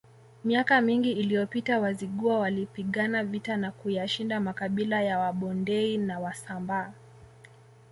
Miaka mingi iliyopita Wazigua walipigana vita na kuyashinda makabila ya Wabondei na Wasambaa